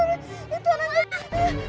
kamu ngapain disini